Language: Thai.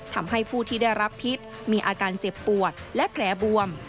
ทำให้ผู้ที่ได้รับพิษมีอาการเจ็บปวดและแผลบวม